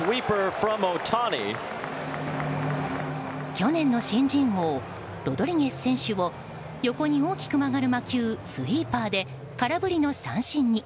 去年の新人王ロドリゲス選手を横に大きく曲がる魔球スイーパーで空振りの三振に。